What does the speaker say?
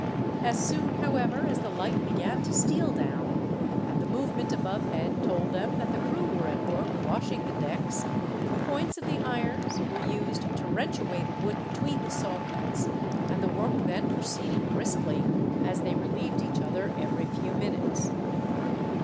As soon, however, as the light began to steal down, and the movement above head told them that the crew were at work washing the decks, the points of the irons were used to wrench away the wood between the saw cuts; and the work then proceeded briskly, as they relieved each other every few minutes.